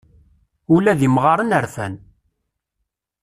Ula d imɣaren rfan.